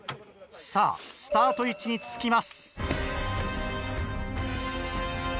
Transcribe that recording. さぁスタート位置につきます。